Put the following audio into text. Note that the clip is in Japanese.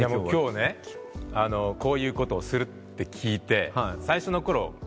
今日ねこういうことをするって聞いて最初のころ。